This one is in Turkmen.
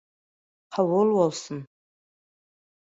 Kabul bolsun.